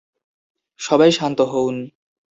সবাই শান্ত হউন।